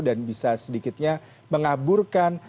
dan bisa sedikitnya mengaburkan